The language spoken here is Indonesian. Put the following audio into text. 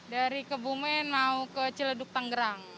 dari kebumen mau ke ciledug tanggerang